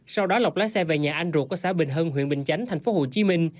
sau đó lọc lái xe về nhà anh ruột có xã bình hân huyện bình chánh thành phố hồ chí minh